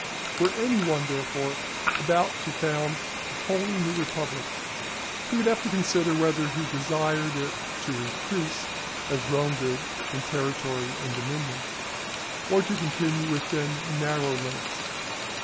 Were any one, therefore, about to found a wholly new republic, he would have to consider whether he desired it to increase as Rome did in territory and dominion, or to continue within narrow limits.